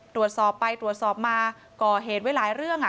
ตรวจสอบไปตรวจสอบมาก่อเหตุไว้หลายเรื่อง